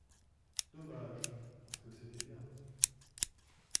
Dommage, parce que c’était bien.